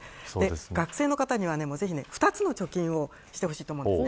学生の方には、２つの貯金をしてほしいと思うんです。